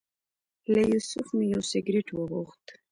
له یوسف مې یو سګرټ وغوښت.